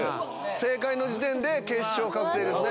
正解の時点で決勝確定ですね。